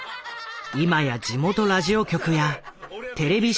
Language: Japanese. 今や地元ラジオ局やテレビ